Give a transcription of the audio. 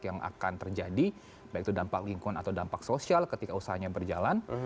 yang akan terjadi baik itu dampak lingkungan atau dampak sosial ketika usahanya berjalan